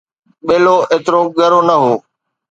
ٻيلو ايترو ڳرو نه هو